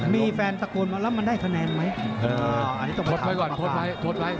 มีแฟนตะโกนมาแล้วมันได้แผนมั้ยอันนี้ต้องไปถามกันมากกว่า